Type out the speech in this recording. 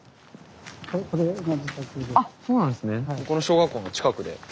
ここの小学校の近くで。